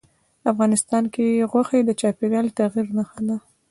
افغانستان کې غوښې د چاپېریال د تغیر نښه ده.